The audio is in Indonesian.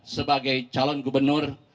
sebagai calon gubernur